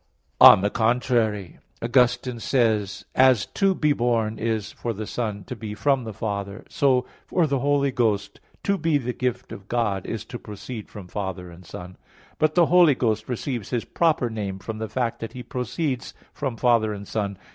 On the contrary, Augustine says (De Trin. iv, 20): "As 'to be born' is, for the Son, to be from the Father, so, for the Holy Ghost, 'to be the Gift of God' is to proceed from Father and Son." But the Holy Ghost receives His proper name from the fact that He proceeds from Father and Son.